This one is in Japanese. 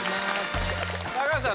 高橋さん